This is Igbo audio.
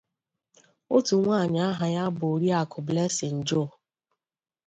otu nwaanyị aha ya bụ Oriakụ Blessing Joe